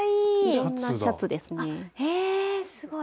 いろんなシャツですね。へすごい。